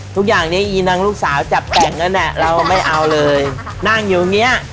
ทุกอย่างนี้อีนังลูกสาวจับแต่งกันเราไม่เอาเลยนั่งอยู่อย่างเงี้ย